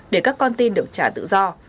để các con tin được trả tự do